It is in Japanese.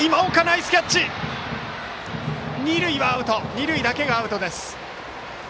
二塁だけがアウトです。